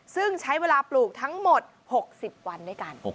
ซึ่งใช้เวลาปลูกทั้งหมด๖๐วันด้วยกัน